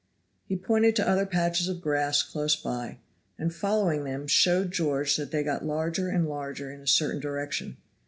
He pointed to other patches of grass close by, and following them showed George that they got larger and larger in a certain direction.